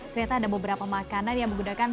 ternyata ada beberapa makanan yang menggunakan